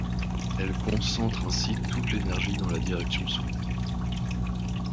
Elles concentrent ainsi toute l’énergie dans la direction souhaitée.